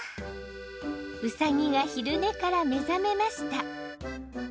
うさぎが昼寝から目覚めました。